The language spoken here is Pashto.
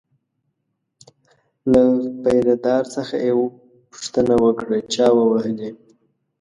له پیره دار څخه یې پوښتنه وکړه چا ووهلی.